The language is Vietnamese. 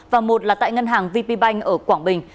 và một là tại ngân hàng vp bank ở quảng bình